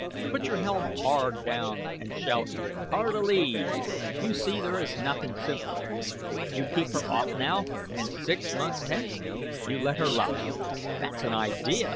Put your helm hard down and shout 'Hard a lee!' You see, there is nothing simpler. You keep her off now, and six months hence you let her luff." "That's an idea!"